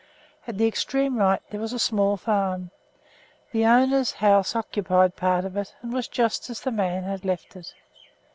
At the extreme right there was a small farm; the owner's house occupied part of it, and was just as the man had left it.